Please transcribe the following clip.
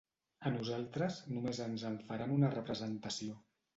A nosaltres només ens en faran una representació.